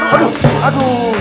aduh aduh aduh